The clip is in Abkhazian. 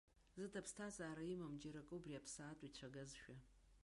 Зыда ԥсҭазаара имам џьара акы убри аԥсаатә ицәагазшәа.